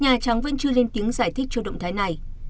nhà trắng vẫn chưa lên tiếng giải thích cho động thái này